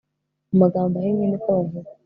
mu magambo ahinnye nikobavuga